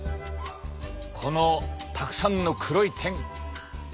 このたくさんの黒い点。